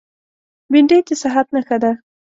بېنډۍ د صحت نښه ده